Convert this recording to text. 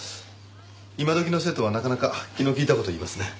今時の生徒はなかなか気の利いた事を言いますね。